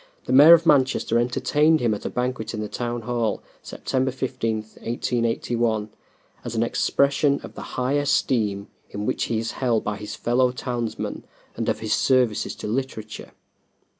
The Mayor of Manchester entertained him at a banquet in the town hall September 15, 1881, "as an expression of the high esteem in which he is held by his fellow townsmen and of his services to literature."